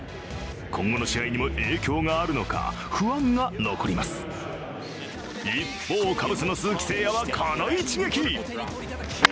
今後の試合にも影響があるのか不安が残ります一方、カブスの鈴木誠也はこの一撃。